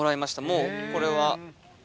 もうこれは。